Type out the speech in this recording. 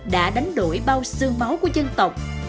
đã đánh đuổi bao sương máu của dân tộc